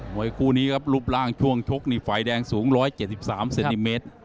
วยคู่นี้ครับรูปร่างช่วงชกนี่ฝ่ายแดงสูง๑๗๓เซนติเมตร